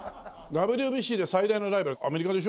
ＷＢＣで最大のライバルアメリカでしょ？